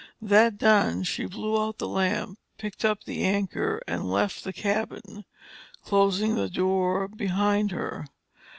That done, she blew out the lamp, picked up the anchor and left the cabin, closing the door behind her.